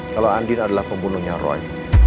kalau andin adalah pembunuhnya roy